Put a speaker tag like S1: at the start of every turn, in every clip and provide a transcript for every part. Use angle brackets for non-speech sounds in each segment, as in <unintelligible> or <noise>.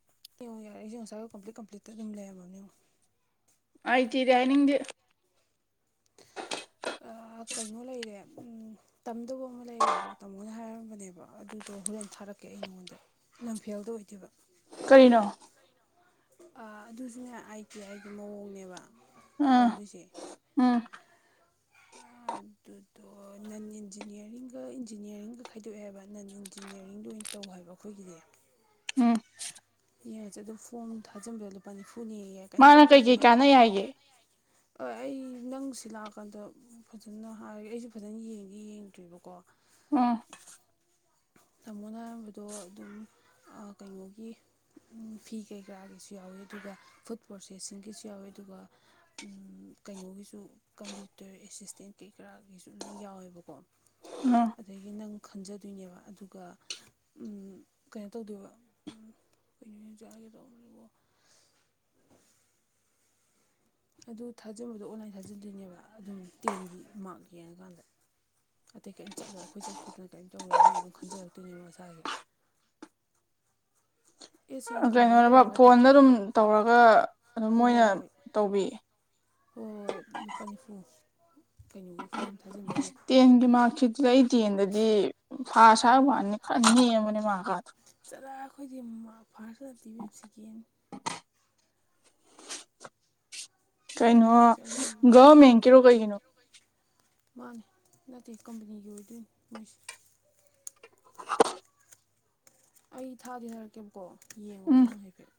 S1: <unintelligible> ꯉꯁꯥꯢ ꯑꯌꯨꯛ ꯀꯝꯄ꯭ꯂꯤꯠ ꯀꯝꯄ꯭ꯂꯤꯠꯇ ꯑꯗꯨꯝ ꯂꯩꯔꯝꯃꯕꯅꯦ
S2: ꯍꯩꯇꯦꯗꯤ ꯍꯥꯢꯅꯤꯡꯗꯦ
S1: ꯑꯥ ꯀꯩꯅꯣ ꯂꯩꯔꯦ ꯇꯝꯗꯕ ꯑꯃ ꯂꯩꯔꯦꯕꯀꯣ ꯇꯥꯃꯣꯅ ꯍꯥꯏꯔꯝꯕꯅꯦꯕ ꯑꯗꯨꯗꯣ ꯍꯣꯔꯦꯟ ꯊꯥꯔꯛꯀꯦ ꯑꯩ ꯅꯉꯣꯟꯗ ꯂꯝꯐꯦꯜꯗ ꯑꯣꯏꯗꯨꯢꯕ
S2: ꯀꯔꯤꯅꯣ
S1: ꯑꯥ ꯑꯗꯨꯁꯨꯅꯦ ꯑꯥꯢ ꯇꯤ ꯑꯥꯢ ꯒꯤ ꯃꯑꯣꯡꯅꯦꯕ
S2: ꯎꯝ
S1: ꯇꯝꯗꯣꯏꯁꯤ
S2: ꯎꯝ
S1: ꯑꯗꯨꯗꯣ ꯅꯟ ꯏꯟꯖꯤꯅꯤꯌꯥꯔꯤꯡꯒ ꯏꯟꯖꯤꯅꯤꯌꯥꯔꯤꯡꯒ ꯈꯥꯏꯗꯣꯛꯑꯦꯕ ꯅꯟ ꯅꯟ ꯏꯟꯖꯤꯅꯤꯌꯥꯔꯤꯡꯗ ꯑꯣꯏꯅ ꯇꯧ ꯍꯥꯏꯕ ꯑꯩꯈꯣꯏꯒꯤꯗꯤ
S2: ꯎꯝ
S1: <unintelligible> ꯑꯗꯨꯝ ꯐꯣꯡ ꯊꯥꯖꯟꯕꯗ ꯂꯨꯄꯥ ꯅꯤꯐꯨ ꯅꯤꯌꯦ ꯀꯩꯝ
S2: ꯃꯥꯅ ꯀꯩꯀꯩ
S1: ꯆꯪꯉꯣꯏꯌꯦ
S2: ꯀꯥꯟꯅꯩ ꯍꯥꯏꯒꯦ
S1: ꯑꯩ ꯅꯪ ꯁꯤ ꯂꯥꯛꯑꯀꯥꯟꯗ ꯐꯖꯅ ꯍꯥꯏꯔꯒꯦ ꯑꯩꯁꯨ ꯐꯖꯅ ꯌꯦꯡꯗꯤ ꯌꯦꯡꯗ꯭ꯔꯤꯕꯀꯣ
S2: ꯎꯝ
S1: ꯇꯥꯃꯣꯅ ꯍꯥꯏꯅꯔꯝꯕꯗꯣ ꯑꯗꯨꯝ ꯑ ꯀꯩꯅꯣꯒꯤ ꯐꯤ ꯀꯩꯀꯥꯒꯤꯁꯨ ꯌꯥꯎꯋꯤ ꯑꯗꯨꯒ ꯐꯨꯗ ꯄ꯭ꯔꯣꯁꯦꯁꯤꯡꯒꯤꯁꯨ ꯌꯥꯎꯋꯤ ꯑꯗꯨꯒ ꯎꯝ ꯀꯩꯅꯣꯒꯤꯁꯨ ꯀꯝꯄ꯭ꯌꯨꯇꯔ ꯑꯦꯁꯤꯁꯇꯦꯟ ꯀꯩꯀꯔꯥꯒꯤꯁꯨ ꯂꯣꯏ ꯌꯥꯎꯋꯦꯕꯀꯣ
S2: ꯎꯝ
S1: ꯑꯗꯒꯤ ꯅꯪ ꯈꯟꯖꯗꯣꯏꯅꯦꯕ ꯑꯗꯨ ꯑꯗꯨꯒ ꯎꯝ ꯀꯩꯅꯣ ꯇꯧꯗꯣꯏꯕ ꯎꯝ ꯀꯩꯅꯣ <unintelligible> ꯑꯗꯨ ꯊꯥꯖꯤꯟꯕꯗꯣ ꯑꯣꯟꯂꯥꯏꯟ ꯊꯥꯖꯤꯟꯗꯣꯏꯅꯦꯕ ꯑꯗꯨꯝ ꯇꯦꯟꯒꯤ ꯃꯥꯔꯛ ꯌꯦꯡꯉꯀꯥꯟꯗ ꯑꯇꯩ ꯀꯔꯤꯝ ꯆꯠꯂꯣꯏ ꯑꯩꯈꯣꯏ ꯆꯠ ꯈꯣꯠꯇꯅ ꯀꯔꯤꯝ ꯇꯧꯔꯣꯏ ꯃꯣꯏ ꯑꯗꯨꯝ ꯈꯟꯖꯔꯛꯇꯣꯏꯅꯦꯕ ꯃꯁꯥꯒꯤ <inaudible> ꯑꯦ ꯁꯤ
S2: ꯑ
S1: ꯏꯟꯀꯝ ꯂꯣꯏ
S2: ꯀꯩꯅꯣꯔꯕ
S1: ꯂꯩꯔꯕ ꯅꯠꯇ꯭ꯔꯣ
S2: ꯐꯣꯟꯗ ꯑꯗꯨꯝ ꯇꯧꯔꯒ ꯑꯗꯨ
S1: ꯍꯣꯏ
S2: ꯝꯣꯏꯅ
S1: ꯍꯣꯏ ꯍꯣꯏ
S2: ꯇꯧꯕꯤ
S1: ꯍꯣꯏ ꯂꯨꯄꯥ ꯅꯤꯐꯨ ꯀꯩꯅꯣꯒꯤ ꯐꯣꯝ ꯊꯥꯖꯤꯟꯕꯒꯤ
S2: ꯇꯦꯟꯒꯤ ꯃꯥꯔꯛꯁꯤꯠꯗꯣ ꯑꯩ ꯇꯦꯟꯗꯗꯤ ꯐꯥꯁ ꯍꯥꯏꯕ ꯋꯥꯅꯤ ꯈꯔ ꯅꯦꯝꯕꯅꯦ ꯃꯥꯛꯀꯗꯣ
S1: ꯆꯠꯂꯍꯦ ꯑꯩꯈꯣꯏꯗꯤ ꯃꯥꯔ꯭ꯛ ꯐꯥꯔꯁꯀ ꯅꯠꯇꯦ ꯏꯕꯦꯝ ꯁꯦꯀꯦꯟ
S2: ꯀꯩꯅꯣ
S1: ꯃꯥꯔꯛꯁꯦ ꯑꯔꯣꯏꯕ
S2: ꯒꯣꯔꯃꯦꯟꯀꯤꯔꯣ ꯀꯩꯒꯤꯅꯣ
S1: ꯃꯥꯅꯤ ꯅꯠꯇꯦ ꯀꯝꯄꯅꯤꯒꯤ ꯑꯣꯏꯗꯣꯏꯅꯤ ꯃꯣꯏꯁꯦ ꯑꯩ ꯊꯥꯗꯤ ꯍꯥꯏꯔꯛꯀꯦꯕꯀꯣ ꯌꯦꯡꯉꯣꯕ
S2: ꯎꯝ
S1: ꯅꯪ ꯍꯥꯏꯐꯦꯠ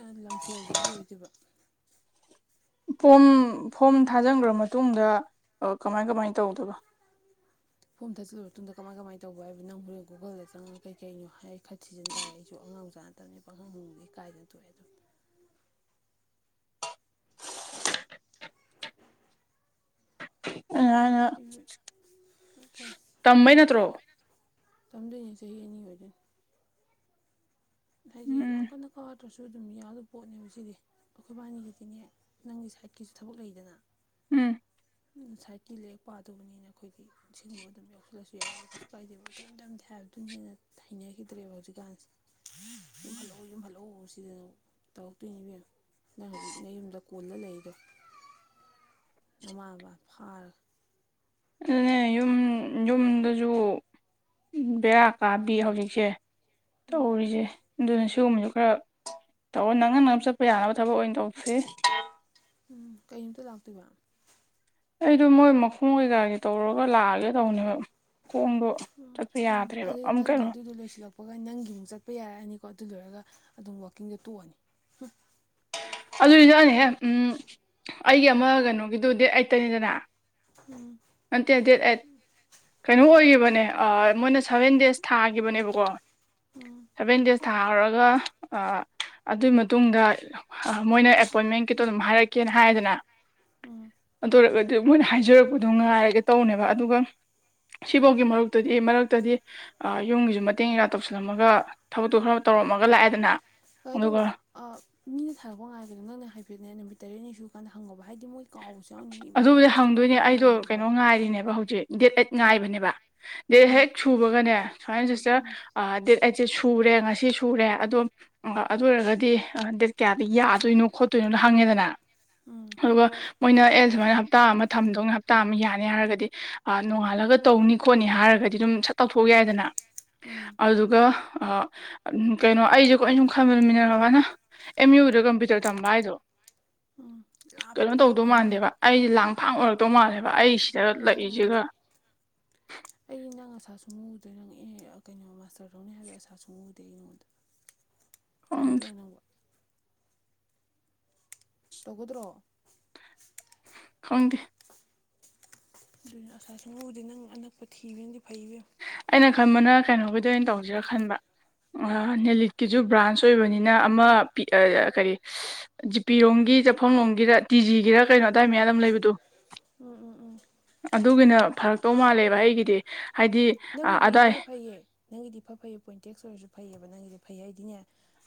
S1: ꯑ ꯂꯝꯐꯦꯜꯗꯒꯤ ꯑꯣꯏꯗꯣꯏꯕ
S2: ꯐꯣꯝ ꯐꯣꯝ ꯊꯥꯖꯤꯟꯈ꯭ꯔ ꯃꯇꯨꯡꯗ ꯀꯃꯥꯏ ꯀꯃꯥꯏꯅ ꯇꯧꯗꯣꯏꯕ
S1: ꯐꯣꯝ ꯊꯥꯖꯤꯜꯂꯕ ꯃꯇꯨꯡꯗ ꯀꯃꯥꯏ ꯀꯃꯥꯏ ꯇꯧꯕ ꯍꯥꯏꯕꯨ ꯅꯪ ꯍꯣꯔꯦꯟ ꯒꯨꯒꯜꯗ ꯆꯪꯉꯒ ꯀꯩ ꯀꯩꯅꯣ ꯍꯥꯏ ꯈꯔ ꯊꯤꯖꯤꯟ ꯇꯥꯔꯦ ꯑꯩꯁꯨ ꯑꯉꯥꯡ ꯃꯆꯥꯥ ꯇꯕꯅꯤꯅ ꯄꯪꯍꯪ ꯍꯡꯕꯁꯨ ꯏꯀꯥꯏꯗꯅ ꯊꯣꯛꯑꯦ ꯑꯗꯨꯝ
S2: <unintelligible> ꯇꯝꯕꯩ ꯅꯠꯇ꯭ꯔꯣ
S1: <unintelligible> ꯇꯝꯗꯣꯏꯅꯦ ꯆꯍꯤ ꯑꯅꯤ ꯑꯣꯏꯗꯣꯏꯅꯤ ꯍꯥꯏꯗꯤ ꯌꯥꯝ
S2: ꯎꯝ
S1: ꯀꯟꯅ ꯀꯥꯗ꯭ꯔꯁꯨ ꯑꯗꯨꯝ ꯌꯥꯗꯧ ꯄꯣꯠꯅꯦꯕ ꯁꯤꯗꯤ ꯑꯩꯈꯣꯏꯕꯥꯅꯤꯒꯤꯗꯤꯅꯦ ꯅꯪꯒꯤ ꯁꯥꯏꯠꯀꯤꯁꯨ ꯊꯕꯛ ꯂꯩꯗꯅ
S2: ꯎꯝ
S1: ꯎꯝ ꯁꯥꯏꯠꯀꯤ ꯂꯥꯏꯔꯤꯛ ꯄꯥꯗꯣꯕꯅꯤꯅ ꯑꯩꯈꯣꯏꯗꯤ ꯁꯤꯒꯨꯝꯕ ꯑꯗꯨꯝ ꯌꯥꯎꯁꯤꯜꯂꯁꯨ ꯌꯥꯏꯑꯦꯕ ꯀꯩꯁꯨ ꯀꯥꯏꯗꯦꯕ ꯀꯔꯤꯝꯇꯝꯗꯦ ꯍꯥꯏꯕꯗꯨꯅ ꯍꯦꯟꯅ ꯍꯩꯅꯈꯤꯗ꯭ꯔꯦꯕ ꯍꯧꯖꯤꯛꯀꯥꯟꯁꯦ ꯌꯨꯝ ꯍꯟꯂꯛꯑꯣ ꯌꯨꯝ ꯍꯟꯂꯛꯑꯣ ꯁꯤꯗ ꯇꯧꯔꯛꯇꯣꯏꯅꯦ ꯏꯕꯦꯝꯃ ꯅꯪ ꯍꯧꯖꯤꯛ ꯅꯌꯨꯝꯗ ꯀꯣꯟꯂ ꯂꯩꯔꯤꯗꯣ ꯅꯃꯥ ꯅꯄꯥ ꯐꯥꯔꯒ
S2: ꯑꯗꯨꯅꯦ ꯌꯨꯝ ꯌꯨꯝꯗꯁꯨ ꯕꯦꯔꯥ ꯀꯥꯕꯤ ꯍꯧꯖꯤꯛꯁꯦ
S1: ꯎꯝ
S2: ꯇꯧꯔꯤꯁꯦ ꯑꯗꯨꯅ ꯁꯤꯒꯨꯝꯕꯁꯨ ꯈꯔ ꯇꯧꯔ ꯅꯪꯅ ꯅꯪꯅ ꯆꯠꯄ ꯌꯥꯅꯕ ꯊꯕꯛ ꯑꯣꯏꯅ ꯇꯧꯁꯦ
S1: ꯎꯝ ꯀꯩ ꯅꯨꯃꯤꯠꯇ ꯂꯥꯛꯇꯣꯏꯕ
S2: ꯑꯩꯗꯣ ꯃꯣꯏ ꯃꯈꯣꯡ ꯀꯩꯀꯥꯒꯤ ꯇꯧꯔꯒ ꯂꯥꯛꯑꯒꯦ ꯇꯧꯅꯦꯕ ꯈꯣꯡꯗꯣ
S1: ꯎꯝ
S2: ꯆꯠꯄ
S1: ꯎꯝ
S2: ꯌꯥꯗ꯭ꯔꯦꯕ
S1: ꯑꯗꯨ
S2: ꯑꯃꯨꯛ ꯀꯩꯅꯣ
S1: ꯅꯪꯒꯤꯗꯨꯗꯣ ꯂꯣꯏꯁꯤꯜꯂꯛ ꯄꯒ ꯅꯪꯒꯤ ꯑꯃꯨꯛ ꯆꯠꯄ ꯌꯥꯔꯛꯑꯅꯤꯀꯣ ꯑꯗꯨ ꯂꯣꯏꯔꯒ ꯑꯗꯨꯝ ꯋꯥꯛꯀꯤꯡꯗꯣ ꯇꯣꯛꯑꯅꯤ
S2: ꯑꯗꯨꯗꯤ ꯅꯦꯅ ꯍꯦꯛ ꯎꯝ ꯑꯩꯒꯤ ꯑꯃ ꯀꯩꯅꯣꯒꯤꯗꯨ ꯗꯦꯠ ꯑꯩꯠꯇꯅꯤꯗꯅ
S1: ꯎꯝ
S2: ꯅꯠꯇꯦ ꯗꯦꯠ ꯑꯩꯠ ꯀꯩꯅꯣ ꯑꯣꯏꯈꯤꯕꯅꯦ ꯑ ꯃꯣꯏꯅ ꯁꯚꯦꯟ ꯗꯦꯖ ꯊꯥꯒꯤꯈꯤꯕꯅꯦꯕꯀꯣ
S1: ꯎꯝ
S2: ꯁꯚꯦꯟ ꯗꯦꯖ ꯊꯥꯔꯨꯔꯒ ꯑꯗꯨꯏ ꯃꯇꯨꯡꯗ ꯑ ꯃꯣꯏꯅ ꯑꯦꯄꯣꯏꯟꯃꯦꯟ ꯀꯤꯇꯣ ꯑꯗꯨꯝ ꯍꯥꯏꯔꯛꯀꯦꯅ ꯍꯥꯏꯗꯅ
S1: ꯎꯝ
S2: ꯑꯗꯨ ꯑꯣꯏꯔꯒꯗꯤ ꯃꯣꯏꯅ ꯍꯥꯏꯖꯔꯛꯄꯗꯣ ꯉꯥꯏꯔꯒꯦ ꯇꯧꯅꯦꯕ ꯑꯗꯨꯒ ꯁꯤꯕꯧꯒꯤ ꯃꯔꯨꯛꯇꯗꯤ ꯃꯔꯛꯇꯗꯤ ꯑꯥ ꯌꯨꯝꯒꯤꯁꯨ ꯃꯇꯦꯡ ꯀꯩꯀꯥ ꯇꯧꯁꯜꯂꯝꯃꯒ ꯊꯕꯛꯇꯨ ꯈꯔ ꯇꯧꯔꯝꯃꯒ ꯂꯥꯛꯑꯦꯗꯅ
S1: ꯁꯨꯃꯥꯏ
S2: ꯑꯗꯨꯒ
S1: ꯇꯧꯑꯣ ꯑꯥ ꯃꯤꯅ ꯊꯥꯔꯛꯄ ꯉꯥꯏꯒꯅꯣ ꯅꯪꯅ ꯍꯥꯏꯐꯦꯠꯅꯦ ꯅꯨꯃꯤꯠ ꯇꯔꯦꯠꯅꯤ ꯁꯨ ꯀꯥꯟꯗ ꯍꯪꯉꯣꯕ ꯍꯥꯏꯗꯤ ꯃꯣꯏ ꯀꯥꯎꯕꯁꯨ ꯌꯥꯎꯅꯤ ꯃꯤ ꯃꯌꯥꯝ
S2: ꯑꯗꯨꯕꯨꯗꯤ
S1: ꯀꯁꯇꯃꯔ
S2: ꯍꯪꯗꯣꯏꯅꯦ
S1: ꯃꯌꯥꯝ
S2: ꯑꯩꯗꯣ
S1: ꯂꯥꯛꯏꯅꯦ
S2: ꯀꯩꯅꯣ
S1: ꯍꯣꯏ
S2: ꯉꯥꯏꯔꯤꯅꯦꯕ ꯍꯧꯖꯤꯛ ꯗꯦꯠ ꯑꯩꯠ ꯉꯥꯏꯕꯅꯦꯕ ꯗꯦꯠ
S1: ꯎꯝ
S2: ꯍꯦꯛ ꯁꯨꯕꯒꯅꯦ ꯁꯨꯃꯥꯏꯅ
S1: ꯎꯝ
S2: ꯖꯤꯁꯇꯔ ꯗꯦꯠ ꯑꯩꯠꯁꯦ ꯁꯨꯔꯦ ꯉꯁꯤ ꯁꯨꯔꯦ ꯑꯗꯣ ꯑꯗꯨ ꯑꯣꯏꯔꯒꯗꯤ ꯗꯦꯠ ꯀꯌꯥꯗ ꯌꯥꯗꯣꯏꯅꯣ ꯈꯣꯠꯇꯣꯏꯅꯣ ꯍꯪꯉꯦꯗꯅ
S1: ꯎꯝ
S2: ꯑꯗꯨꯒ ꯃꯣꯏꯅ ꯑꯦ ꯁꯨꯃꯥꯏꯅ ꯍꯞꯇꯥ ꯑꯃ ꯊꯝꯗꯧ ꯍꯞꯇꯥ ꯑꯃ ꯌꯥꯅꯤ ꯍꯥꯏꯔꯒꯗꯤ ꯑꯥꯕꯥꯅꯣꯡꯉꯥꯜꯂꯒ ꯇꯧꯅꯤ ꯈꯣꯠꯅꯤ ꯍꯥꯏꯔꯒꯗꯤ ꯑꯗꯨꯝ ꯁꯠ ꯇꯧꯊꯣꯛꯎ ꯌꯥꯏꯗꯅ
S1: ꯎꯝ
S2: ꯑꯗꯨꯒ ꯑꯥ ꯀꯩꯅꯣ ꯑꯩꯁꯦ ꯑꯩꯁꯨꯝ ꯈꯟꯕꯗ ꯃꯤꯟꯅꯔꯕꯅ ꯑꯦꯝ ꯌꯨꯗ ꯀꯝꯄ꯭ꯌꯨꯇꯔ ꯇꯝꯕ ꯍꯥꯏꯗꯣ
S1: ꯎꯝ ꯂꯥꯞꯇꯤ
S2: ꯀꯩꯅꯣ ꯇꯧꯗꯧ
S1: ꯂꯥꯞꯄꯤꯍꯦ
S2: ꯃꯥꯟꯗꯦꯕ
S1: ꯃꯥꯏꯗꯣ
S2: ꯑꯩꯁꯦ ꯂꯥꯡ ꯐꯥꯡ ꯑꯣꯏꯔꯛꯇꯧ ꯃꯥꯜꯂꯦꯕ ꯑꯩ ꯁꯤꯗ
S1: ꯑꯣꯏꯅꯤ
S2: ꯂꯩꯁꯤꯒ
S1: <unintelligible> ꯏ ꯀꯩꯅꯣ ꯃꯥꯁꯇ꯭ꯔ ꯇꯧꯅꯤ ꯍꯥꯏꯕꯩ ꯑꯥꯁꯥ ꯁꯨꯛ ꯎꯎꯗꯦ ꯑꯩꯉꯣꯟꯗ
S2: ꯈꯪꯗꯦ
S1: ꯇꯧꯒꯗ꯭ꯔꯥꯅꯦ ꯅꯪꯕꯣ ꯇꯧꯒꯗ꯭ꯔꯣ
S2: ꯈꯪꯗꯦ
S1: ꯑꯗꯨꯅ ꯑꯁꯥ ꯁꯨꯡ ꯎ ꯎꯗꯦ ꯅꯪ ꯑꯅꯛꯄ ꯊꯤꯕꯅꯗꯤ ꯐꯩ ꯏꯕꯦꯝ
S2: ꯑꯩꯅ ꯈꯟꯕꯅ ꯀꯩꯅꯣꯒꯤꯗ ꯑꯣꯏꯟ ꯇꯧꯁꯤꯔꯥ ꯈꯟꯕ <unintelligible> ꯅꯦꯂꯤꯠꯀꯤꯁꯨ ꯕ꯭ꯔꯥꯟꯁ ꯑꯣꯏꯕꯅꯤꯅ ꯑꯃ ꯄꯤ ꯑꯥ ꯀꯔꯤ ꯖꯤꯄꯤꯔꯣꯝꯒꯤ ꯆꯠꯐꯝꯔꯣꯝꯒꯤꯗ ꯇꯤ ꯖꯤꯒꯤꯔꯥ ꯀꯩꯅꯣ ꯑꯗꯥꯏ ꯃꯌꯥꯗ ꯑꯝ ꯂꯩꯕꯗꯣ
S1: ꯎꯝ ꯎꯝ ꯎꯝ
S2: ꯑꯗꯨꯒꯤꯅ ꯐꯔꯛꯇꯧ ꯃꯥꯜꯂꯦꯕ ꯑꯩꯒꯤꯗꯤ ꯍꯥꯏꯗꯤ ꯑ
S1: ꯅꯪꯒꯤꯗꯤ
S2: ꯑꯗꯥꯏ
S1: ꯏꯐꯗ ꯐꯩꯌꯦ ꯅꯪꯒꯤꯗꯤ ꯏꯐ ꯐꯩꯌꯦ ꯄꯣꯏꯟꯇꯦꯛꯁ ꯑꯣꯏꯔꯁꯨ ꯐꯩꯌꯦꯕ ꯅꯪꯒꯤꯗꯤ ꯐꯩ ꯑꯩꯗꯤꯅꯦ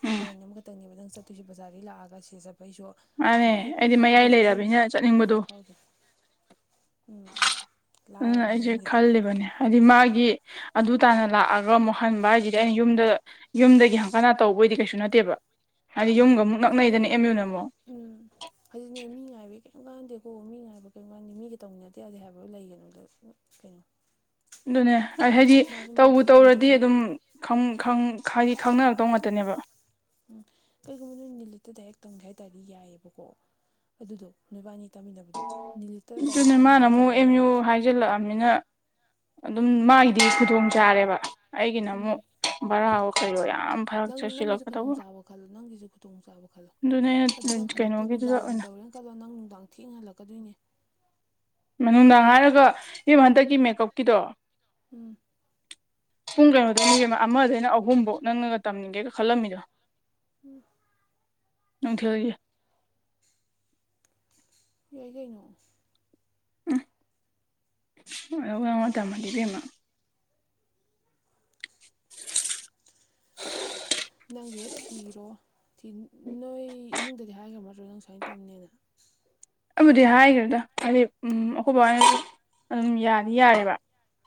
S2: ꯎꯝ
S1: ꯂꯥꯏꯟ ꯑꯃꯈꯇꯪꯅꯦꯕ ꯅꯪ ꯆꯠꯇꯣꯏꯁꯦ ꯕꯖꯥ꯭ꯔꯗꯒꯤ ꯂꯥꯛꯑꯒ ꯁꯤꯡꯖꯥꯕꯩꯁꯨ
S2: ꯃꯥꯅꯦ
S1: ꯑꯗꯒꯤ
S2: ꯑꯩꯗꯤ ꯃꯌꯥꯏ
S1: ꯑꯃꯗꯨꯁꯨ ꯗꯨꯝ
S2: ꯂꯩꯔꯕꯅꯤꯅ ꯆꯠꯅꯤꯡꯕꯗꯣ
S1: ꯕꯖꯥꯔ ꯐꯥꯎꯗ꯭ꯔꯦ ꯎꯝ
S2: ꯑꯗꯨꯅ
S1: ꯂꯥꯏꯔꯕꯅꯤ
S2: ꯑꯩꯁꯦ
S1: ꯅꯪꯒꯤꯗꯤ
S2: ꯈꯜꯂꯤꯕꯅꯦ ꯍꯥꯏꯗꯤ ꯃꯥꯒꯤ ꯑꯗꯨ ꯇꯥꯅ ꯂꯥꯛꯑꯒ ꯑꯃꯨꯛ ꯍꯟꯕ ꯍꯥꯏꯁꯤ ꯑꯩꯅ ꯌꯨꯝꯗ ꯌꯨꯝꯗꯒꯤ ꯍꯪꯒꯠꯗꯥ ꯇꯧꯕꯣꯏꯗꯤ ꯀꯩꯁꯨ ꯅꯠꯇꯦꯕ ꯍꯥꯏꯗꯤ ꯌꯨꯝꯒ ꯑꯃꯨꯛ
S1: ꯍꯧꯖꯤꯛꯅꯦ
S2: ꯅꯛꯅꯩꯗꯅ ꯑꯦꯝ ꯌꯨꯅ ꯑꯃꯨꯛ
S1: ꯎꯝ ꯍꯧꯖꯤꯅꯦ ꯃꯤ ꯉꯥꯏꯕ ꯀꯩꯝ ꯀꯥꯟꯗꯦꯀꯣ ꯃꯤ ꯉꯥꯏꯕ ꯀꯩꯝ ꯀꯥꯟꯗꯦ ꯃꯤꯒ ꯇꯧꯃꯤꯟꯅꯗꯦ ꯌꯥꯗꯦ ꯍꯥꯏꯕ <unintelligible> ꯀꯩꯅꯣ
S2: ꯑꯗꯨꯅꯦ
S1: ꯃꯥꯁꯨ
S2: ꯍꯥꯏꯗꯤ
S1: ꯃꯥꯁꯨ ꯃꯥꯅ
S2: ꯇꯧꯕꯨ
S1: ꯊꯣꯛꯄ
S2: ꯇꯧꯔꯗꯤ
S1: ꯇꯝꯖꯖꯅꯤ
S2: ꯑꯗꯨꯝ ꯈꯪ ꯈꯪ ꯍꯥꯏꯗꯤ ꯈꯪꯅꯔꯛꯇꯧ ꯉꯥꯛꯇꯅꯦꯕ
S1: ꯎꯝ ꯀꯩꯒꯨꯝꯕ ꯅꯣꯏ ꯅꯤꯂꯤꯠꯇꯨꯗ ꯍꯦꯛ ꯇꯝꯒꯦ ꯍꯥꯏꯇꯥꯔꯗꯤ ꯌꯥꯏꯕꯀꯣ ꯑꯗꯨꯗꯣ ꯅꯣꯏꯕꯥꯅꯤ ꯇꯝꯃꯤꯟꯅꯕꯗꯣ ꯅꯤꯂꯤꯠꯇ ꯗꯥꯏꯔꯦꯛ ꯇꯝꯅꯤ ꯍꯥꯏꯇꯥꯔꯗꯤ ꯌꯥꯏꯌꯦꯕ
S2: ꯖꯤꯜꯂꯛꯑꯝꯅꯤꯅ ꯑꯗꯨꯝ ꯃꯥꯒꯤꯗꯤ ꯈꯨꯗꯣꯡ ꯆꯥꯔꯦꯕ ꯑꯩꯒꯤꯅ
S1: ꯎꯝ
S2: ꯑꯃꯨꯛ ꯕꯔꯥꯋꯣ ꯀꯩꯋꯣ ꯌꯥꯝ ꯐꯔꯛ
S1: ꯅꯪ ꯅꯪꯒꯤꯁꯨ
S2: ꯆꯠꯁꯤꯜꯂꯛꯀꯗꯧꯕ
S1: ꯈꯨꯗꯣꯡꯆꯥꯥꯕ ꯈꯜꯂꯣ ꯅꯪꯒꯤꯁꯨ ꯈꯨꯗꯣꯡ ꯆꯥꯥꯕ ꯈꯜꯂꯣ
S2: ꯑꯗꯨꯅꯦ
S1: ꯑꯗꯨ
S2: ꯑꯩꯅ
S1: ꯅꯪ ꯍꯜꯂꯛꯇꯣꯏ ꯅꯨꯡꯗꯥꯡ
S2: ꯀꯩꯅꯣꯒꯤꯗꯨꯗ
S1: ꯋꯥꯏꯔꯝ
S2: ꯑꯣꯏꯅ
S1: ꯇꯧꯔꯦꯅ ꯀꯜꯂꯣ ꯅꯪ ꯅꯨꯡꯗꯥꯡ ꯊꯦꯡꯅ ꯍꯜꯂꯛꯀꯗꯣꯏꯅꯦ
S2: ꯃꯥ ꯅꯨꯡꯗꯥꯡ ꯍꯥꯏꯔꯒ ꯏꯕꯦꯝ ꯍꯟꯗꯛꯀꯤ ꯃꯦꯀꯞꯀꯤꯗꯣ
S1: ꯎꯝ
S2: ꯄꯨꯡ ꯀꯩꯅꯣꯗꯅꯤ ꯏꯕꯦꯝꯃ ꯑꯃꯗꯩꯅ ꯑꯍꯨꯝꯕꯧ ꯅꯪꯅꯒ ꯇꯝꯅꯤꯡꯉꯦꯒ ꯈꯜꯂꯝꯃꯤꯗꯣ
S1: ꯎꯝ꯫
S2: ꯅꯨꯡꯊꯤꯜꯒꯤ꯫
S1: ꯌꯥꯏ ꯀꯩꯅꯣ꯫
S2: ꯑ ꯋꯥꯑꯣ ꯇꯝꯃꯗꯤ ꯏꯕꯦꯝꯃ꯫
S1: ꯅꯪꯒꯤꯗꯣ ꯊꯤꯔꯣ ꯅꯣꯏ ꯏꯃꯨꯡꯗꯗꯤ ꯍꯥꯏ ꯉꯝꯃꯥꯗ꯭ꯔꯣ ꯅꯪ ꯁꯨꯃꯥꯏꯅ ꯇꯝꯅꯦꯅ꯫
S2: ꯑꯩꯕꯨꯗꯤ ꯍꯥꯏꯈ꯭ꯔꯦꯗ ꯍꯥꯏꯗꯤ ꯎꯝ ꯑꯈꯣꯏꯕꯍꯣꯏꯅꯁꯨ ꯑꯗꯨꯝ ꯌꯥꯗꯤ ꯌꯥꯔꯦꯕ꯫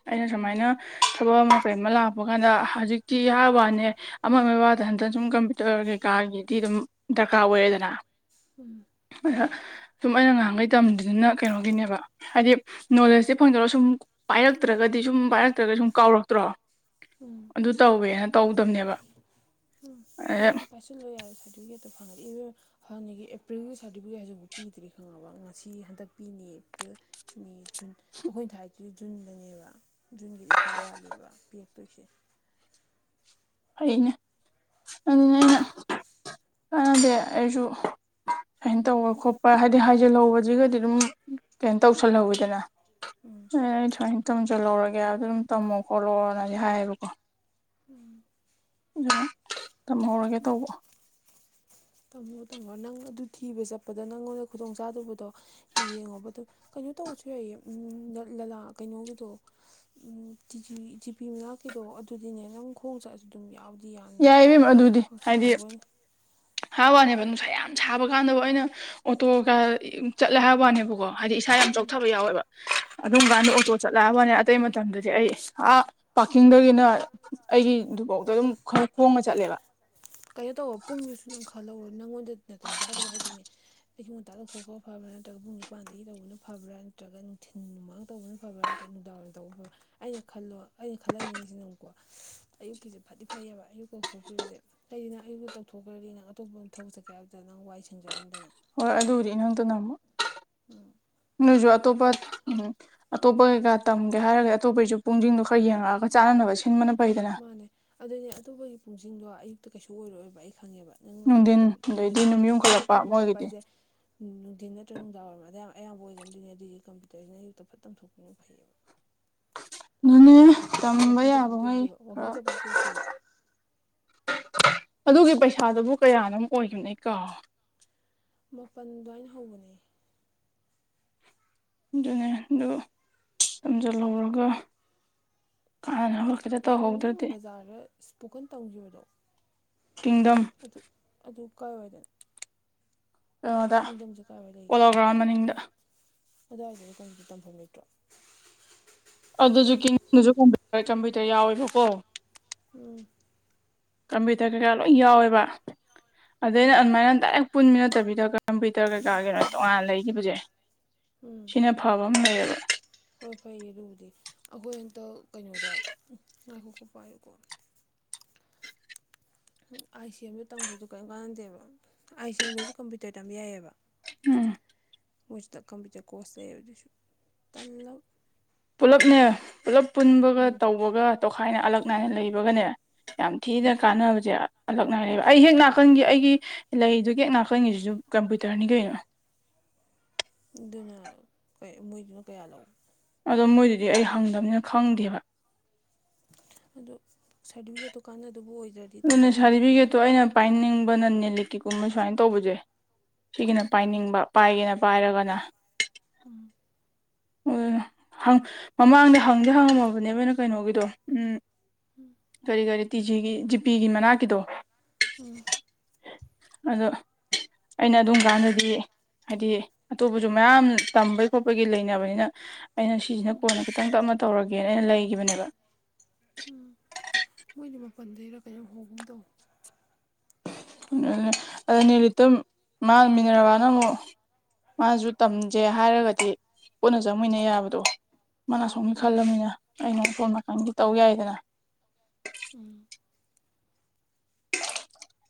S2: ꯑꯩꯅ
S1: ꯎꯝ
S2: ꯁꯨꯃꯥꯏꯅ ꯊꯕꯛ ꯑꯃ ꯀꯩꯑꯃ ꯂꯥꯛꯄ ꯀꯥꯟꯗ ꯍꯧꯖꯤꯛꯇꯤ ꯍꯥꯏꯕ ꯋꯥꯅꯤ ꯑꯃ ꯑꯃ ꯋꯥꯗ ꯅꯠꯇꯅ ꯁꯨꯝ ꯀꯝꯄ꯭ꯌꯨꯇꯔ ꯀꯩꯀꯥꯒꯤꯗꯤ ꯑꯗꯨꯝ ꯗꯔꯀꯥꯔ ꯑꯣꯏꯌꯦꯗꯅ꯫ ꯑꯗ ꯁꯨꯝ ꯑꯩꯅ ꯉꯍꯥꯟꯈꯩ ꯇꯝꯃꯤꯗꯨꯅ ꯀꯩꯅꯣꯒꯤꯅꯦꯕ꯫ ꯍꯥꯏꯗꯤ ꯅꯣꯂꯦꯖꯇꯤ ꯐꯪꯗꯣꯔ ꯁꯨꯝ ꯄꯥꯏꯔꯛꯇ꯭ꯔꯒꯗꯤ ꯁꯨꯝ ꯄꯥꯏꯔꯛꯇ꯭ꯔꯒ ꯁꯨꯝ ꯀꯥꯎꯔꯛꯇ꯭ꯔꯣ
S1: ꯎꯝ
S2: ꯑꯗꯨ ꯇꯧꯋꯦꯅ ꯇꯧꯗꯕꯅꯦꯕ꯫ ꯑꯗ
S1: ꯑꯗꯨꯝ ꯄꯥꯏꯁꯤꯜꯂꯨ ꯌꯥꯔꯦ ꯁꯥꯔꯇꯐꯤꯀꯦꯠꯇꯣ ꯐꯪꯉꯥꯗꯤ꯫ ꯍꯥꯟꯅꯒꯤ ꯑꯦꯄ꯭ꯔꯤꯜꯒꯤ ꯁꯥꯔꯇꯤꯐꯤꯀꯦꯠ ꯍꯥꯏꯁꯤꯕꯧ ꯄꯤꯗ꯭ꯔꯤ ꯈꯪꯉꯕ ꯉꯁꯤ ꯍꯟꯗꯛ ꯄꯤꯅꯤꯌꯦ ꯑꯦꯄ꯭ꯔꯤꯜ꯫ ꯃꯤ ꯖꯨꯟ ꯑꯩꯈꯣꯏꯅ ꯊꯥꯏꯁꯤꯗꯤ ꯖꯨꯟꯗꯅꯦꯕ ꯖꯨꯟꯒꯤꯗꯤ ꯈꯔ ꯋꯥꯠꯂꯤꯕ ꯄꯔꯛꯇꯣꯏꯁꯦ꯫
S2: ꯐꯩꯅꯦ ꯑꯗꯨꯅꯦ ꯑꯩꯅ ꯀꯥꯟꯅꯗꯦ ꯑꯩꯁꯨ ꯁꯨꯃꯥꯏꯅ ꯇꯧꯕ ꯈꯣꯠꯄ ꯍꯥꯏꯗꯤ ꯍꯥꯏꯖꯤꯜꯍꯧꯕꯁꯤꯒꯗꯤ ꯑꯗꯨꯝ ꯀꯩꯅꯣ ꯇꯧꯁꯜꯍꯧꯋꯤꯗꯅ꯫ ꯑꯦ ꯑꯩ ꯁꯨꯃꯥꯏꯅ ꯇꯝꯖꯍꯧꯔꯒꯦ ꯑꯗꯨ ꯑꯗꯨꯝ ꯇꯝꯃꯣ ꯈꯣꯠꯂꯣꯅꯗꯤ ꯍꯥꯏꯌꯦꯕꯀꯣ꯫
S1: ꯎꯝ꯫
S2: ꯑꯗꯨ ꯇꯝꯍꯧꯔꯒꯦ ꯇꯧꯕ꯫
S1: ꯇꯝꯃꯣ ꯇꯝꯃꯣ ꯅꯪ ꯑꯗꯨ ꯊꯤꯕ ꯆꯠꯄꯗ ꯅꯪꯉꯣꯟꯗ ꯈꯨꯗꯣꯡ ꯆꯥꯗꯕꯗꯣ ꯌꯦꯡꯉꯣꯕ ꯑꯗꯨ ꯀꯩꯅꯣ ꯇꯧꯕꯁꯨ ꯌꯥꯏꯌꯦ ꯎꯝ ꯂꯂꯥ ꯀꯩꯅꯣꯒꯤꯗꯣ ꯎꯝ ꯇꯤꯖꯤ ꯖꯤꯄꯤ ꯃꯅꯥꯛꯀꯤꯗꯣ ꯑꯗꯨꯗꯤꯅꯦ ꯅꯪ ꯈꯣꯡ ꯆꯠꯂꯁꯨ ꯑꯗꯨꯝ ꯌꯥꯕꯨꯗꯤ ꯌꯥꯅꯤ
S2: ꯌꯥꯏ
S1: ꯍꯪꯆꯤꯛ ꯂꯥꯡꯕ ꯑꯣꯏꯅ꯫
S2: ꯍꯥꯏꯕ ꯋꯥꯅꯦꯕ ꯅꯨꯡꯁꯥ ꯌꯥꯝ ꯁꯥꯕ ꯀꯥꯟꯗ ꯑꯩꯅ ꯑꯣꯇꯣꯒ ꯆꯠꯂꯦ ꯍꯥꯏꯕ ꯋꯥꯅꯦꯕꯀꯣ ꯍꯥꯏꯗꯤ ꯏꯁꯥ ꯌꯥꯝ ꯆꯥꯎꯊꯕ ꯌꯥꯎꯋꯦꯕ ꯑꯗꯨꯝ ꯀꯥꯟꯗ ꯑꯣꯇꯣ ꯆꯠꯂꯦ ꯍꯥꯏꯕꯋꯥꯅꯦ ꯑꯇꯩ ꯃꯇꯝꯗꯗꯤ ꯑꯩ ꯑꯥ ꯄꯥꯔꯀꯤꯡꯗꯒꯤꯅ ꯑꯩꯒꯤ ꯗꯨꯕꯧꯗ ꯑꯗꯨꯝ ꯈꯔ ꯈꯣꯡꯅ ꯆꯠꯂꯦꯕ꯫
S1: ꯀꯩꯅꯣ ꯇꯧꯑꯣ ꯄꯨꯡꯗꯨꯁꯨ ꯅꯪ ꯈꯜꯍꯧꯔꯣ ꯅꯪꯉꯣꯟꯗ ꯅꯥꯇꯩ ꯆꯥꯗꯕ ꯍꯥꯏꯗꯤꯅꯦ꯫ ꯑꯌꯨꯛ ꯉꯇꯥ ꯂꯧꯊꯣꯛꯈ꯭ꯔ ꯐꯕ꯭ꯔꯥ ꯅꯠꯇ꯭ꯔꯒ ꯄꯨꯡ ꯅꯤꯄꯥꯟꯗꯒꯤ ꯇꯧꯕꯅ ꯐꯕ꯭ꯔꯥ ꯅꯠꯇ꯭ꯔꯒ ꯅꯨꯡꯊꯤꯟ ꯃꯥ ꯇꯧꯕꯅ ꯐꯕ꯭ꯔꯥ ꯅꯠꯇ꯭ꯔ ꯅꯨꯡꯗꯥꯡꯋꯥꯏꯔꯝ ꯇꯧꯕ ꯐꯕ꯭ꯔꯥ ꯑꯩꯅ ꯈꯜꯂꯣ ꯑꯩꯅ ꯈꯜꯍꯟꯅꯤꯡꯉꯤꯁꯤꯅ ꯑꯃꯨꯛꯀꯣ ꯑꯌꯨꯛꯀꯤꯁꯦ ꯐꯗꯤ ꯐꯩꯌꯦꯕ ꯑꯌꯨꯛ ꯀꯣꯡꯊꯣꯛꯈꯤꯕꯁꯦ꯫ ꯑꯩꯗꯤ ꯅꯪ ꯑꯌꯨꯛꯇ ꯇꯧꯊꯣꯛꯈ꯭ꯔꯗꯤ ꯅꯪ ꯑꯇꯣꯞꯄ ꯊꯕꯛ ꯆꯠꯀꯦ ꯍꯥꯏꯕꯗ ꯅꯪ ꯋꯥꯏ ꯁꯦꯡꯖꯔꯅꯤꯗꯅ꯫
S2: ꯍꯣꯏ ꯑꯗꯨꯕꯨꯗꯤ ꯏꯅꯪꯇ ꯅꯪꯕ꯫
S1: ꯎꯝ꯫
S2: ꯅꯣꯏꯁꯨ ꯑꯇꯣꯞꯄ ꯎꯝ ꯑꯇꯣꯞꯄ ꯀꯩꯀꯥ ꯇꯝꯒꯦ ꯍꯥꯏꯔꯒꯗꯤ ꯑꯇꯣꯞꯄꯒꯤꯁꯨ ꯄꯨꯡꯁꯤꯡꯗꯣ ꯈꯔ ꯌꯦꯡꯉꯛꯑꯒ ꯆꯥꯅꯅꯕ ꯁꯤꯟꯕꯅ ꯐꯩꯗꯅ꯫
S1: ꯃꯥꯅꯦ ꯑꯗꯨꯅꯦ ꯑꯇꯣꯞꯄꯒꯤ ꯄꯨꯡꯁꯤꯡꯗꯣ ꯑꯌꯨꯛꯇ ꯀꯩꯁꯨ ꯑꯣꯏꯔꯣꯏꯕ ꯑꯩ ꯈꯪꯉꯦꯕ꯫ ꯎꯝ ꯑꯗꯨꯕꯨ
S2: ꯅꯨꯡꯊꯤꯟ
S1: ꯀꯝꯄꯦꯅꯤ
S2: ꯑꯗꯩꯗꯤ
S1: ꯃꯦꯀꯞ
S2: ꯅꯨꯝ
S1: ꯃꯦꯀꯞ ꯃꯦꯀꯞ
S2: ꯌꯨꯡꯈꯠꯂꯛꯄ
S1: ꯇꯝꯕ ꯈꯣꯠꯄ
S2: ꯃꯣꯏꯒꯤꯗꯤ
S1: ꯍꯥꯏꯁꯦ ꯅꯨꯡꯊꯤꯟ ꯅꯠꯇ꯭ꯔꯒ ꯅꯨꯡꯗꯥꯡꯋꯥꯏꯔꯝ ꯑꯗꯨꯋꯥꯏ ꯑꯌꯥꯝꯕ ꯑꯣꯏꯒꯟꯗꯣꯏꯅꯦ ꯑꯗꯨꯗꯤ ꯀꯝꯄ꯭ꯌꯨꯇꯔꯁꯤꯅ ꯑꯌꯨꯛꯇ ꯐꯠ ꯇꯝꯊꯣꯛꯄꯅ ꯐꯩꯌꯦꯕ꯫
S2: ꯑꯗꯨꯅꯦ ꯇꯝꯕ
S1: ꯋꯥꯛꯀꯤꯡ ꯆꯠꯄꯗꯤ
S2: ꯌꯥꯕꯉꯩ
S1: ꯇꯣꯛꯇꯦꯕ ꯋꯥꯛꯀꯤꯡ
S2: ꯈꯔ꯫
S1: ꯆꯠꯄꯗꯤ ꯇꯣꯛꯇꯦꯕ
S2: ꯑꯗꯨꯒꯤ ꯄꯩꯁꯥꯗꯨꯕꯨ ꯀꯌꯥꯅꯣ ꯑꯣꯏꯈꯤꯕꯅꯦ ꯑꯩ ꯀꯥꯎꯔꯦ꯫
S1: ꯃꯥꯄꯜ ꯑꯗꯨꯋꯥꯏꯅ ꯍꯧꯕꯅꯦ꯫
S2: ꯑꯗꯨꯅꯦ ꯑꯗꯨ ꯇꯝꯖꯜꯍꯧꯔꯒ ꯀꯥꯟꯅꯅꯕ꯫ ꯈꯤꯇ
S1: ꯎꯝ ꯅꯪ
S2: ꯇꯧꯍꯧꯗ꯭ꯔꯗꯤ
S1: ꯕꯖꯥꯔꯗ ꯏꯁꯄꯣꯀꯟ ꯇꯧꯈꯤꯕꯗꯣ꯫
S2: ꯀꯤꯡꯗꯝ
S1: ꯑꯗꯨ ꯑꯗꯨ ꯀꯥꯏꯋꯥꯏꯗꯅꯣ꯫
S2: ꯀꯩꯅꯣꯗ
S1: ꯅꯤꯡꯗꯝꯁꯦ
S2: ꯄꯣꯂꯣ ꯒ꯭ꯔꯥꯎꯟ ꯃꯅꯤꯡꯗ꯫
S1: ꯑꯗꯨꯋꯥꯏꯗꯗꯤ ꯀꯝꯄꯨ ꯇꯝꯐꯝ ꯂꯩꯇ꯭ꯔꯣ꯫
S2: ꯑꯗꯨꯁꯨꯁꯨꯝ ꯀꯝꯄ꯭ꯌꯨꯇꯔ ꯌꯥꯎꯋꯦꯕꯀꯣ
S1: ꯎꯝ꯫
S2: ꯀꯝꯄ꯭ꯌꯨꯇꯔ ꯀꯩꯀꯥ ꯂꯣꯏ ꯌꯥꯎꯋꯦꯕ ꯑꯗꯩ
S1: ꯎꯝ
S2: ꯑꯩꯅ ꯑꯗꯨꯃꯥꯏꯅ ꯗꯥꯏꯔꯦꯛ ꯄꯨꯟꯃꯤ ꯅꯠꯇꯕꯤꯗ ꯀꯝꯄ꯭ꯌꯨꯇꯔ ꯀꯩꯀꯥ ꯀꯩꯅꯣ ꯇꯣꯉꯥꯟꯅ ꯂꯩꯒꯤꯕꯖꯦ
S1: ꯎꯝ
S2: ꯁꯤꯅ ꯐꯕ ꯑꯃ ꯂꯩꯌꯦꯕ꯫
S1: ꯍꯣꯏ ꯐꯩꯌꯦ ꯑꯗꯨꯕꯨꯗꯤ ꯑꯩꯈꯣꯏ ꯍꯟꯇꯛ ꯀꯩꯅꯣꯗ ꯉꯥꯏꯈꯣꯀꯣ ꯄꯥꯏꯌꯨꯀꯣ ꯑꯥꯏ ꯁꯤ ꯑꯦꯝꯁꯨ ꯇꯝꯈꯩꯗꯨ ꯀꯔꯤꯝ ꯀꯥꯟꯅꯗꯦꯕ ꯑꯥꯏ ꯁꯤ ꯑꯦꯝꯗꯁꯨ ꯀꯝꯄ꯭ꯌꯨꯇꯔ ꯇꯝꯕ ꯌꯥꯏꯌꯦꯕ꯫
S2: ꯎꯝ꯫
S1: ꯀꯝꯄ꯭ꯌꯨꯇꯔ ꯀ꯭ꯔꯣꯁꯦ ꯍꯧꯖꯤꯛꯁꯨ ꯇꯜꯂꯕ꯫
S2: ꯄꯨꯜꯂꯞꯅꯦ ꯄꯨꯂꯞ ꯄꯨꯟꯕꯒ
S1: ꯎꯝ
S2: ꯇꯧꯕꯒ ꯇꯣꯈꯥꯏꯅ ꯑꯜꯂꯛ ꯅꯥꯏꯅ ꯂꯩꯕꯒꯅꯦ ꯌꯥꯝ
S1: ꯎꯝ
S2: ꯊꯤꯅ ꯀꯥꯟꯅꯕꯁꯦ ꯑꯜꯂꯛꯅꯏꯂꯩꯕ ꯑꯩ ꯍꯦꯛ ꯅꯥꯀꯟꯒꯤ ꯑꯩꯒꯤ ꯂꯩꯗꯨꯒꯤ ꯍꯦꯛ ꯅꯥꯀꯟꯒꯤꯁꯤꯁꯨ ꯀꯝꯄ꯭ꯌꯨꯇꯔꯅꯤ ꯀꯩꯅꯣ
S1: ꯑꯗꯨꯅ ꯈꯣꯏ ꯃꯣꯏꯗꯨꯅ ꯀꯌꯥ ꯂꯧ
S2: ꯑꯗꯣ ꯃꯣꯏꯗꯨꯗꯤ ꯑꯩ ꯍꯪꯗꯕꯅꯤꯅ ꯈꯪꯗꯦꯕ꯫
S1: ꯑꯗꯣ ꯁꯥꯔꯇꯤꯐꯤꯀꯦꯠꯇꯣ ꯀꯥꯟꯅꯗꯕ ꯑꯣꯏꯗ꯭ꯔꯗꯤ
S2: ꯑꯗꯨꯅ
S1: ꯇꯝꯗꯕꯅ ꯐꯩꯗ
S2: ꯁꯥꯔꯇꯤꯐꯤꯀꯦꯠꯇꯣ ꯑꯩꯅ ꯄꯥꯏꯅꯤꯡꯕꯅ ꯅꯦꯜꯂꯤꯛꯀꯤꯛꯀꯨꯝꯕ ꯁꯨꯃꯥꯏꯅ ꯇꯧꯕꯁꯦ꯫
S1: ꯎꯝ
S2: ꯁꯤꯒꯤꯅ ꯄꯥꯏꯅꯤꯡꯕ ꯄꯥꯏꯒꯦꯅ ꯄꯥꯏꯔꯒꯅ꯫
S1: <inaudible>
S2: ꯍꯣꯏꯅꯦ ꯍꯡ ꯃꯃꯥꯡꯗꯤ ꯍꯪꯗꯤ ꯍꯪꯉꯝꯃꯕꯅꯦꯕꯅ ꯀꯩꯅꯣꯒꯤꯗꯣ ꯎꯝ ꯀꯔꯤ ꯀꯔꯤ ꯇꯤꯖꯤꯒꯤ ꯖꯤꯄꯤꯒꯤ ꯃꯅꯥꯛꯀꯤꯗꯣ꯫
S1: ꯎꯝ
S2: ꯑꯗꯣ ꯑꯩꯅ ꯑꯗꯨꯝ ꯀꯥꯟꯗꯗꯤ ꯍꯥꯏꯗꯤ ꯑꯇꯣꯞꯄꯁꯨ ꯃꯌꯥꯝ ꯇꯝꯕꯒꯤ ꯈꯣꯠꯄꯒꯤ ꯂꯩꯅꯕꯅꯤꯅ ꯑꯩꯅ ꯁꯤꯁꯤꯅ ꯀꯣꯟꯅ ꯈꯤꯇꯪ ꯇꯞꯅ ꯇꯧꯔꯒꯦꯅ ꯑꯩꯅ ꯂꯩꯒꯤꯕꯅꯦꯕ꯫
S1: ꯃꯣꯏꯅ ꯃꯄꯟꯗꯩꯔ ꯀꯩꯅꯣꯝ ꯍꯧꯒꯨꯝ ꯇꯧ
S2: ꯑꯗꯨꯅꯦ ꯑꯗꯨ ꯅꯦꯔꯤꯠꯇꯝ ꯃꯥꯡ ꯃꯤꯟꯅꯔꯕꯅ ꯑꯃꯨꯛ ꯃꯥꯖꯨ ꯇꯝꯖꯦ ꯍꯥꯏꯔꯒꯗꯤ ꯄꯨꯟꯅ ꯆꯪꯃꯤꯟꯅ ꯌꯥꯕꯗꯣ ꯃꯥꯅꯥ ꯁꯣꯝꯒꯤ
S1: ꯎꯝ
S2: ꯈꯜꯂꯃꯤꯅ ꯑꯩꯅ ꯁꯣꯝ ꯅꯥꯀꯟꯒꯤ ꯇꯧ ꯌꯥꯏꯗꯅ꯫
S1: ꯎꯝ
S2: <unintelligible>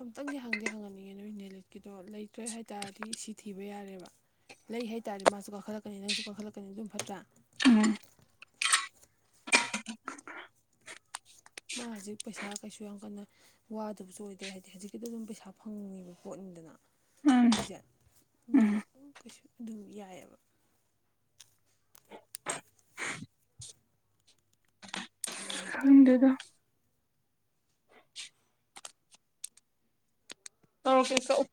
S1: ꯑꯝꯛꯇꯪꯗꯤ ꯍꯪꯗꯤ ꯍꯪꯍꯟꯒꯤꯒꯦ ꯅꯣꯏ ꯅꯦꯂꯤꯠꯀꯤꯗꯣ ꯂꯩꯇ꯭ꯔꯦ ꯍꯥꯏ ꯇꯥꯔꯗꯤ ꯁꯤ ꯊꯤꯕ ꯌꯥꯔꯦꯕ꯫ ꯂꯩ ꯍꯥꯏꯇꯥꯔꯗꯤ ꯃꯥꯁꯨ ꯀꯥꯈꯠꯂꯛꯀꯅꯤ ꯅꯪꯁꯨ ꯀꯥꯈꯠꯂꯛꯀꯅꯤ ꯑꯗꯨꯝ ꯐꯠꯇ꯭ꯔꯥ꯫
S2: ꯎꯝ
S1: ꯃꯥ ꯍꯧꯖꯤꯛ ꯄꯩꯁꯥ ꯀꯩꯁꯨ ꯌꯥꯝ ꯀꯟꯅ ꯋꯥꯗꯨꯕꯨꯁꯨ ꯑꯣꯏꯗ꯭ꯔꯦ ꯍꯥꯏꯗꯤ ꯍꯧꯖꯤꯛꯀꯤꯗꯤ ꯑꯗꯨꯝ ꯄꯩꯁꯥ ꯐꯪꯉꯤꯕ ꯄꯣꯠꯅꯤꯗꯅ
S2: ꯎꯝ
S1: ꯍꯧꯖꯤꯛ
S2: ꯎꯝ
S1: ꯑꯗꯨꯅ ꯀꯩꯁꯨ ꯑꯗꯨꯝ ꯌꯥꯏꯌꯦꯕ꯫ ꯅꯪ ꯇꯣ
S2: ꯈꯪꯗꯦꯗ ꯇꯧꯔꯛꯀꯦ ꯀꯛꯎ꯫